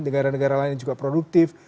negara negara lain yang juga produktif